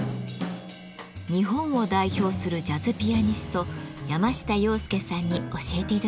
日本を代表するジャズピアニスト山下洋輔さんに教えて頂きました。